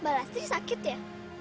mbak lastri sakit ya